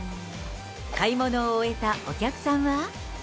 買い物を終えたお客さんは。